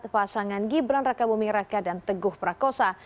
pasangan gibran raka bumiraka dan teguh prakosa